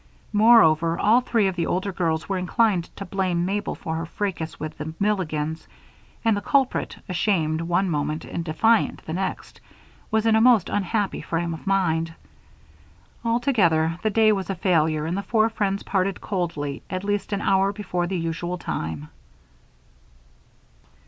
Moreover, all three of the older girls were inclined to blame Mabel for her fracas with the Milligans; and the culprit, ashamed one moment and defiant the next, was in a most unhappy frame of mind. Altogether, the day was a failure and the four friends parted coldly at least an hour before the usual time.